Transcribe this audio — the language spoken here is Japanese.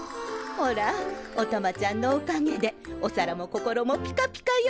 ほらおたまちゃんのおかげでお皿も心もピカピカよ！